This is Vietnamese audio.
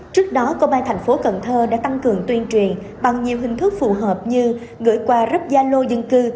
trước đó công an thành phố cần thơ đã tăng cường tuyên truyền bằng nhiều hình thức phù hợp như gửi qua rất gia lô dân cư